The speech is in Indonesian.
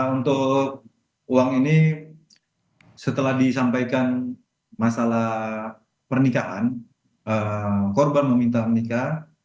untuk uang ini setelah disampaikan masalah pernikahan korban meminta menikah